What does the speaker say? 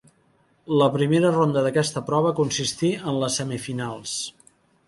La primera ronda d'aquesta prova consistí en les semifinals.